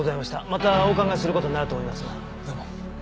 またお伺いする事になると思いますが。